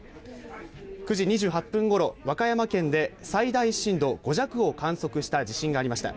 ９時２８分頃、和歌山県で最大震度５弱を観測した地震がありました。